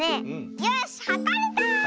よしはかれた！